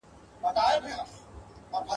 هم یې ماڼۍ وې تر نورو جګي !.